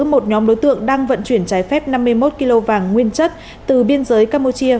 một nhóm đối tượng đang vận chuyển trái phép năm mươi một kg vàng nguyên chất từ biên giới campuchia